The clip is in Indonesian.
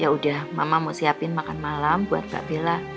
ya udah mama mau siapin makan malam buat mbak bella